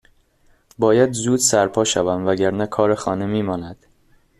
باید زود سرپا شوم وگرنه کار خانه میماند